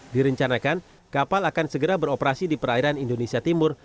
direncanakan kapal akan segera beroperasi di perairan indonesia timur